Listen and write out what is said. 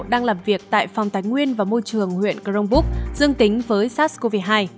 đang làm việc tại phòng tái nguyên và môi trường huyện cronbúc dương tính với sars cov hai